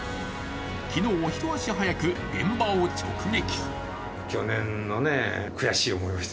昨日、一足早く現場を直撃。